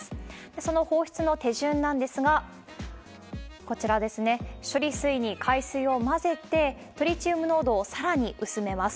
その放出の手順なんですが、こちらですね、処理水に海水を混ぜて、トリチウム濃度をさらに薄めます。